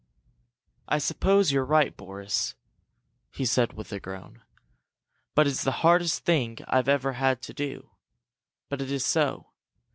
"I suppose you're right, Boris," he said, with a groan. "But it's the hardest thing I've ever had to do! But it is so.